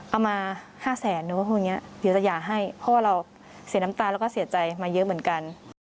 เอามา๕แสนหนูก็พูดอย่างนี้เดี๋ยวจะหย่าให้เพราะว่าเราเสียน้ำตาแล้วก็เสียใจมาเยอะเหมือนกัน